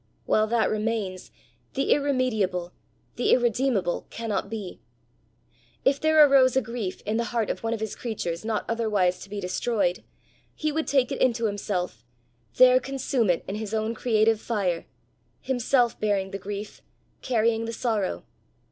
While that remains, the irremediable, the irredeemable cannot be. If there arose a grief in the heart of one of his creatures not otherwise to be destroyed, he would take it into himself, there consume it in his own creative fire himself bearing the grief, carrying the sorrow.